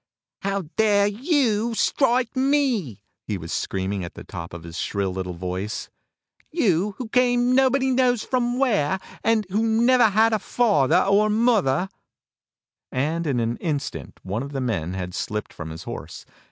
"How dare you strike me?" he was screaming at the top of his shrill little voice. "You who came nobody knows from where, and who never had a father or a mother!" In an instant one of the men had slipped from his horse.